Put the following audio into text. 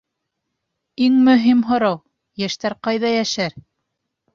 Иң мөһим һорау: йәштәр ҡайҙа йәшәр?